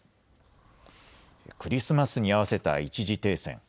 クリスマスに合わせた一時停戦。